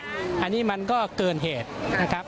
อันนี้มันก็เกินเหตุนะครับ